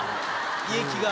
胃液が？